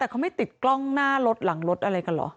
แต่เขาไม่ติดกล้องหน้ารถหลังรถอะไรกันเหรอ